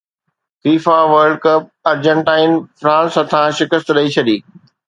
FIFA World Cup Argentine France هٿان شڪست ڏئي ڇڏي